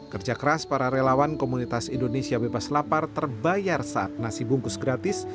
kerja keras para relawan komunitas indonesia bebas lapar terbayar saat nasi bungkus gratis